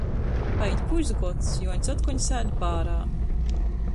Paīt pusgods, Juoņs otkon sēd bārā.